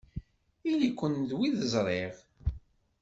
Ili-ken d wid ẓriɣ!